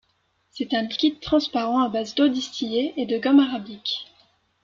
C'est un liquide transparent à base d'eau distillée et de gomme arabique.